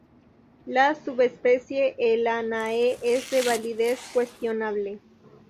La subespecie "helenae" es de validez cuestionable.